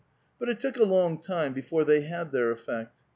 But it took a long time before the.y had their effect.